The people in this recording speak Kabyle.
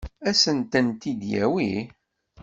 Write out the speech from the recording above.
Ad sent-tent-id-yawi?